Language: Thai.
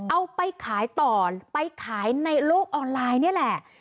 เอาไปขายต่อไปขายในโลกออนไลน์นี่แหละ